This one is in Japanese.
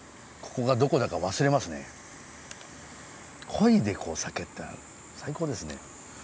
コイで酒ってのは最高ですね。